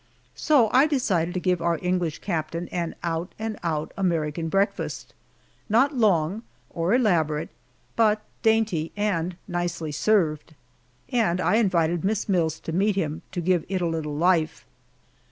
So I decided to give our English captain an out and out American breakfast not long, or elaborate, but dainty and nicely served. And I invited Miss Mills to meet him, to give it a little life.